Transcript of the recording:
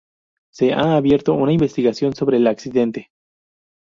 Se ha abierto una investigación sobre el accidente.